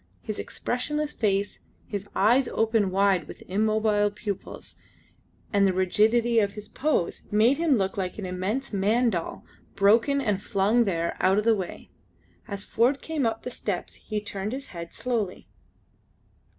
His expressionless face, his eyes open wide with immobile pupils, and the rigidity of his pose, made him look like an immense man doll broken and flung there out of the way. As Ford came up the steps he turned his head slowly.